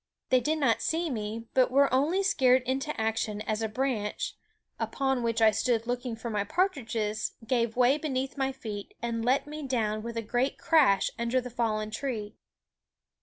They did not see me, but were only scared into action as a branch, upon which I stood looking for my partridges, gave way beneath my feet and let me down with a great crash under the fallen tree.